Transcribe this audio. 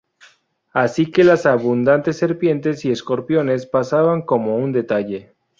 Así que las abundantes serpientes y escorpiones pasaban como un detalle.